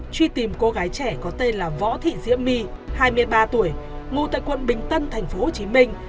truy tìm cô gái trẻ có tên là võ thị diễm my hai mươi ba tuổi ngụ tại quận bình tân thành phố hồ chí minh